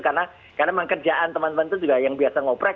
karena memang kerjaan teman teman itu juga yang biasa ngoprek